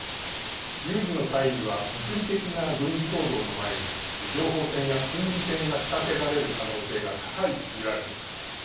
有事の際には物理的な軍事行動の前に情報戦や心理戦が仕掛けられる可能性が高いと見られています。